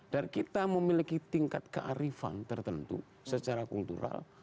dan kita memiliki tingkat kearifan tertentu secara kultural